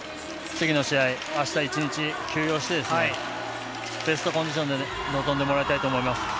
次の試合、あした１日休養してベストコンディションで臨んでもらいたいと思います。